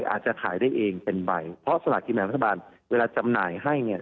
ก่อไก่อาจจะขายได้เองเป็นใบเพราะสลักกิจแผนพัฒนาบาลเวลาจำหน่ายให้